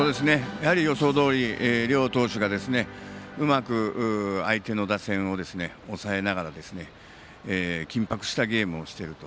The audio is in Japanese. やはり予想どおり両投手がうまく相手の打線を抑えながら緊迫したゲームをしていると。